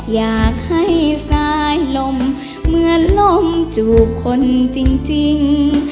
อยากให้สายลมเหมือนลมจูบคนจริง